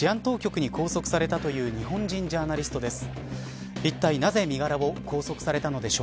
ミャンマーで治安当局に拘束されたという日本人ジャーナリストです。